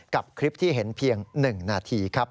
กับคลิปที่เห็นเพียง๑นาทีครับ